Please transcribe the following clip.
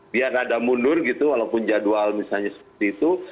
biar ada mundur gitu walaupun jadwal misalnya seperti itu